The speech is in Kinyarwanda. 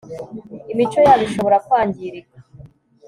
imico yabo ishobora kwangirika